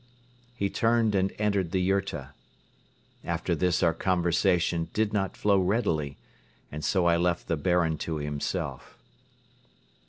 He turned and entered the yurta. After this our conversation did not flow readily and so I left the Baron to himself.